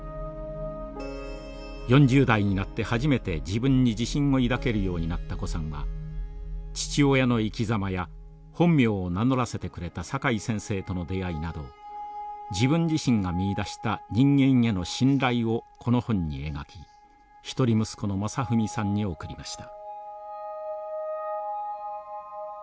４０代になって初めて自分に自信を抱けるようになった高さんは父親の生きざまや本名を名乗らせてくれた阪井先生との出会いなど自分自身が見いだした人間への信頼をこの本に描き一人息子の真史さんに贈りました。